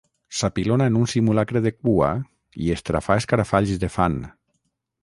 S'apilona en un simulacre de cua i estrafà escarafalls de fan.